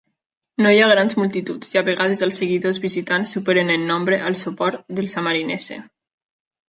No hi ha grans multituds i a vegades els seguidors visitants superen en nombre el suport dels sammarinese.